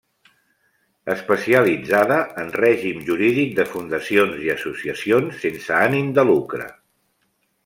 Especialitzada en règim jurídic de fundacions i associacions sense ànim de lucre.